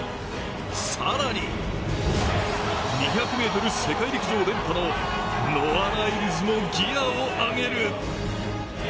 更に２００ｍ世界陸上連覇のノア・ライルズもギアを上げる。